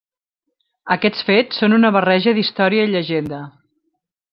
Aquests fets són una barreja d'història i llegenda.